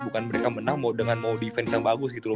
bukan mereka menang dengan defense yang bagus gitu loh